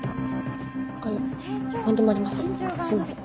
あっ何でもありません。